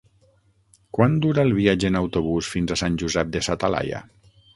Quant dura el viatge en autobús fins a Sant Josep de sa Talaia?